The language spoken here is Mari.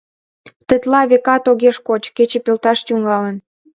Тетла, векат, огеш коч, кече пелташ тӱҥалын.